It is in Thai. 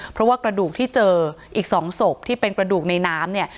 เพราะว่ากระดูกที่เจออีก๒ศพที่เป็นกระดูกในน้ำเนี่ย